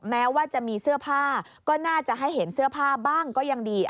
แม้ว่าจะมีเสื้อผ้าก็น่าจะให้เห็นเสื้อผ้าบ้างก็ยังดี